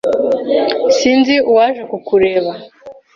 Sinzi uwaje ku kureba